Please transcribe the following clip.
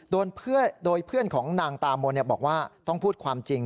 โดยเพื่อนของนางตามนบอกว่าต้องพูดความจริง